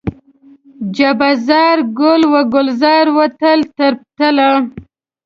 جبه زار، ګل و ګلزار و تل تر تله